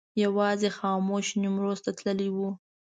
یوازې خاموش نیمروز ته تللی و.